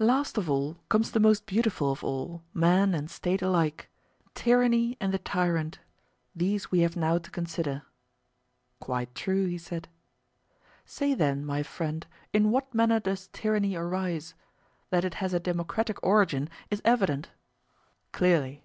Last of all comes the most beautiful of all, man and State alike, tyranny and the tyrant; these we have now to consider. Quite true, he said. Say then, my friend, In what manner does tyranny arise?—that it has a democratic origin is evident. Clearly.